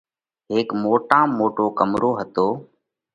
هيڪ موٽام موٽو ڪمرو هتو۔